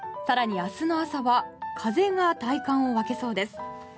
更に明日の朝は風が体感を分けそうです。